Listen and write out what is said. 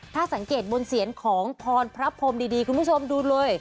ถ้าสังเกตบนเสียงของพรพระพรมดีคุณผู้ชมดูเลย